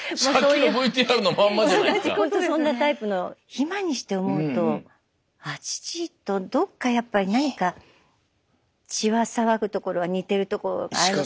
今にして思うと父とどっかやっぱり何か血は騒ぐところは似てるところがあるかなって。